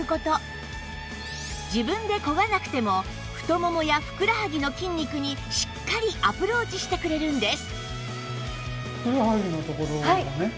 自分で漕がなくても太ももやふくらはぎの筋肉にしっかりアプローチしてくれるんです